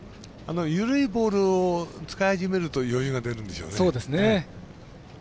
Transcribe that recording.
緩いボールを使い始めると余裕が出るんでしょうね。